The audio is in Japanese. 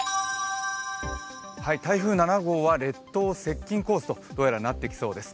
台風７号は列島を接近コースと、どうやらなってきそうです。